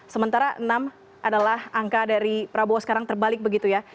sementara enam adalah angka dari prabowo sekarang terbalik begitu ya